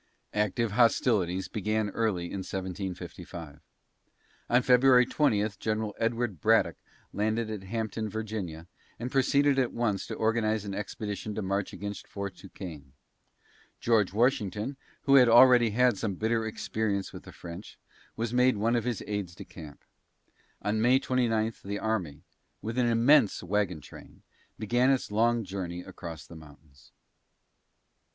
Active hostilities began early in 1755. On February 20 General Edward Braddock landed at Hampton, Va., and proceeded at once to organize an expedition to march against Fort Duquesne. George Washington, who had already had some bitter experience with the French, was made one of his aides de camp. On May 29 the army, with an immense wagon train, began its long journey across the mountains.